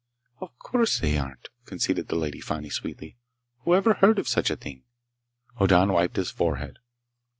"Of course they aren't," conceded the Lady Fani sweetly. "Whoever heard of such a thing?" Hoddan wiped his forehead.